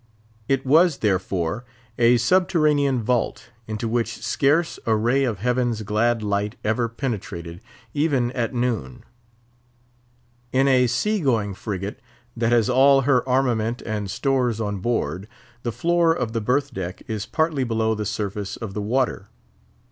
It was, therefore, a subterranean vault, into which scarce a ray of heaven's glad light ever penetrated, even at noon. In a sea going frigate that has all her armament and stores on board, the floor of the berth deck is partly below the surface of the water.